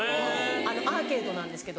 アーケードなんですけど。